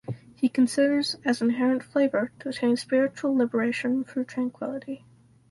He considers as inherent flavor to attain spiritual liberation through tranquility.